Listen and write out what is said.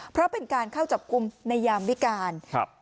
เพราะเป็นการเข้าจับกลุ่มในยามวิการครับ